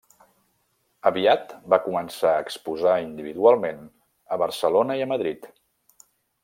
Aviat va començar a exposar individualment a Barcelona i a Madrid.